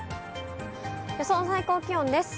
予想最高気温です。